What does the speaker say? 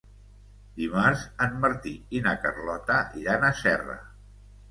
Dimarts en Martí i na Carlota iran a Serra.